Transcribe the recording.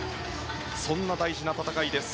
そんな大事な戦いです。